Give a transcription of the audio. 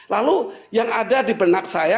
lalu yang ada di benak saya